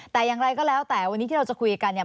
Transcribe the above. แต่อย่างไรก็แล้วแต่วันนี้ที่เราจะคุยกันเนี่ย